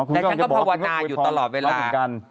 แต่ฉันก็ภาวนาอยู่ตลอดเวลา